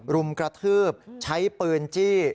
รุมกระทืบใช้ปืนจี้